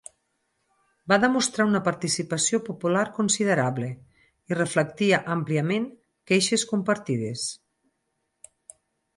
Va demostrar una participació popular considerable, i reflectia àmpliament queixes compartides.